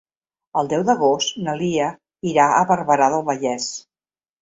El deu d'agost na Lia irà a Barberà del Vallès.